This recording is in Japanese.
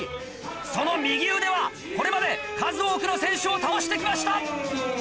その右腕はこれまで数多くの選手を倒して来ました。